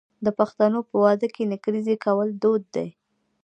د پښتنو په واده کې نکریزې کول دود دی.